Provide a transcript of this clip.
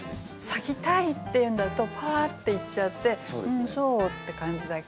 「咲きたい」っていうんだとパーッていっちゃって「うんそう」って感じだけど。